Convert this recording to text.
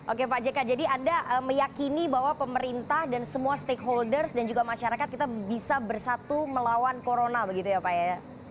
oke pak jk jadi anda meyakini bahwa pemerintah dan semua stakeholders dan juga masyarakat kita bisa bersatu melawan corona begitu ya pak ya